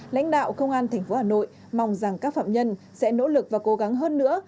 lãnh đạo công an tp hà nội mong rằng các phạm nhân sẽ nỗ lực và cố gắng hơn nữa